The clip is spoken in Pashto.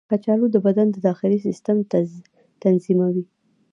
کچالو د بدن د داخلي سیسټم تنظیموي.